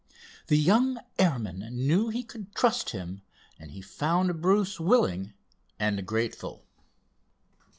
The young airman knew he could trust him and he found Bruce willing and grateful.